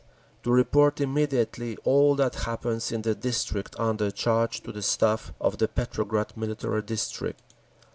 To report immediately all that happens in the district under charge to the Staff of the Petrograd Military District.